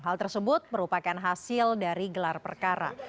hal tersebut merupakan hasil dari gelar perkara